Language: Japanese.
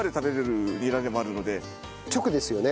直ですよね？